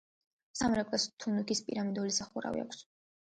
სამრეკლოს თუნუქის პირამიდული სახურავი აქვს.